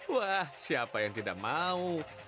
wah siapa yang tidak mau